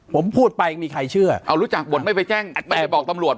ผมพูดไปมีใครเชื่อเอารู้จักบทไม่ไปแจ้งไม่ได้บอกตำรวจ